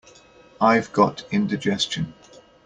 I've got indigestion.